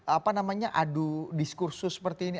apa namanya adu diskursus seperti ini